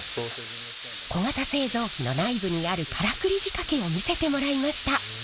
小型製造機の内部にあるカラクリ仕掛けを見せてもらいました。